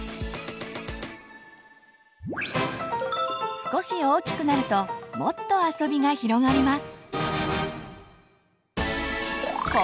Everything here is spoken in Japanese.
少し大きくなるともっとあそびが広がります！